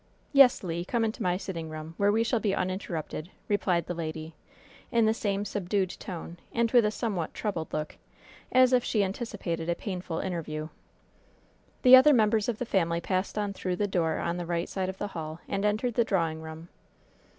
"Yes, Le. Come into my siting room, where we shall be uninterrupted," replied the lady, in the same subdued tone, and with a somewhat troubled look, as if she anticipated a painful interview. The other members of the family passed on through the door on the right side of the hall and entered the drawing room.